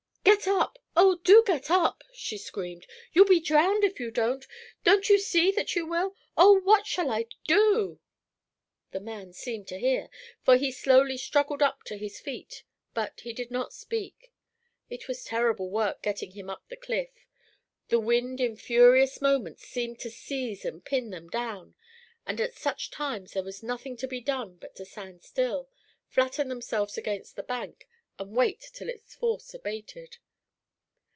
"Get up, oh, do get up!" she screamed. "You'll be drowned if you don't. Don't you see that you will? Oh, what shall I do?" The man seemed to hear, for he slowly struggled up to his feet, but he did not speak. It was terrible work getting him up the cliff. The wind in furious moments seemed to seize and pin them down, and at such times there was nothing to be done but to stand still, flatten themselves against the bank, and wait till its force abated.